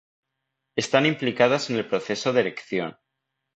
Están implicadas en el proceso de erección.